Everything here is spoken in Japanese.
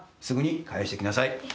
すぐに返してきなさい。